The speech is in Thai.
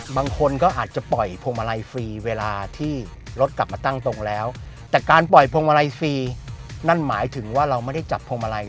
บางคนก็อาจจะปล่อยพวงมาลัยฟรีเวลาที่รถกลับมาตั้งตรงแล้วแต่การปล่อยพวงมาลัยฟรีนั่นหมายถึงว่าเราไม่ได้จับพวงมาลัย